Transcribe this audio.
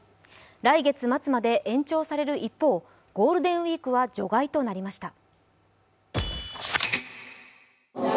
来月末まで延長される一方ゴールデンウイークは除外となりました。